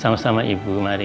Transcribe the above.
sama sama ibu mari